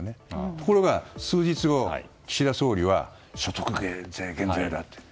ところが数日後、岸田総理は所得税減税だって。